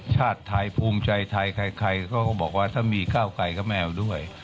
ชาติไทยภูมิใจไทยใครเขาก็บอกว่าถ้ามีก้าวไกลก็ไม่เอาด้วย